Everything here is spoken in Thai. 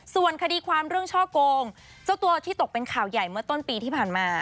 ส่วนคดีความเรื่องช่อโกงเจ้าตัวที่ตกเป็นข่าวใหญ่เมื่อต้นปีที่ผ่านมา